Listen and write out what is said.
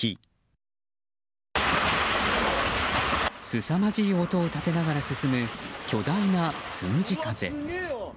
すさまじい音を立てながら進む巨大なつむじ風。